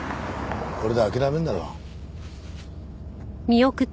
これで諦めるだろう。